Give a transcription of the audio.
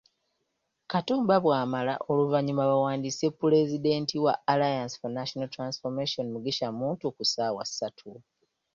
Katumba bw'amala oluvannyuma bawandiise Pulezidenti wa Alliance for National Transformation, Mugisha Muntu ku ssaawa ssatu.